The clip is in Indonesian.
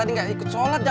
ingat itu ya